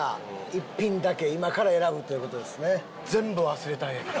１品だけ今から選ぶという事ですね。